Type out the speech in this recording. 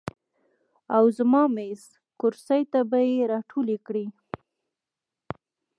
او زما میز، کرسۍ ته به ئې راټولې کړې ـ